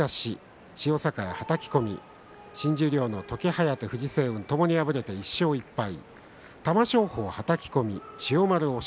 新十両の時疾風、藤青雲ともに敗れて１勝１敗です。